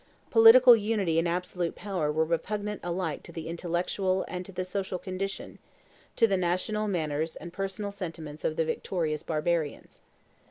Political unity and absolute power were repugnant alike to the intellectual and the social condition, to the national manners and personal sentiments of the victorious barbarians.